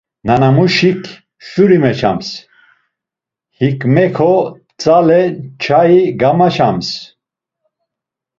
Nanamuşik şuri meçams, Hikmeko tzale nçai gamaçams.